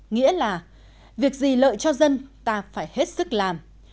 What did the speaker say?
nghĩa là việc gì lợi cho dân ta phải hết sức làm